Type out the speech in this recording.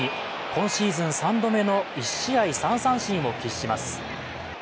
今シーズン３度目の１試合３三振を喫します。